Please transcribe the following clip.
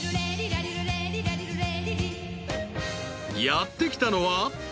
［やって来たのは］